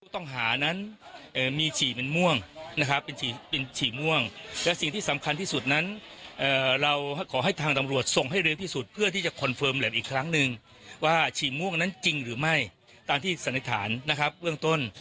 ส่งให้เร็วที่สุดเพื่อที่จะคอนเฟิร์มและอีกครั้งนึงว่าฉี่ม่วงนั้นจริงหรือไม่ตามที่สนักฐานนะครับเรื่องต้น